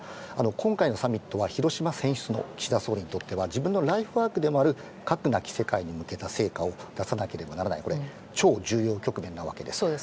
今回のサミットは広島選出の岸田総理にとっては自分のライフワークでもある核兵器なき世界への成果を出さなければならない超重要局面なわけです。